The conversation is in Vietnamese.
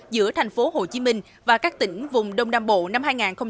giữa thành phố hồ chí minh và các tỉnh vùng đông nam bộ năm hai nghìn hai mươi ba